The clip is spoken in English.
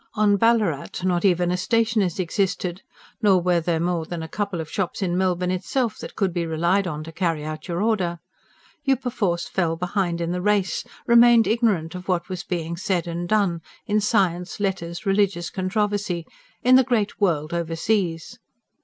On Ballarat not even a stationer's existed; nor were there more than a couple of shops in Melbourne itself that could be relied on to carry out your order. You perforce fell behind in the race, remained ignorant of what was being said and done in science, letters, religious controversy in the great world overseas.